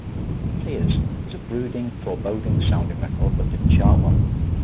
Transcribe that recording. "Tears" was a brooding, foreboding sounding record that didn't chart well.